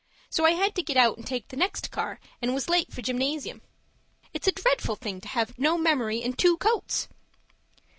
So I had to get out and take the next car, and was late for gymnasium. It's a dreadful thing to have no memory and two coats!